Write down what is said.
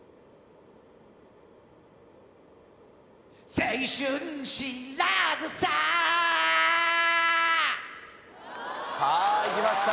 青春知らずささあいきました